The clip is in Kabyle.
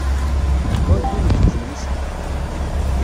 Ur llin gezzmen isekla.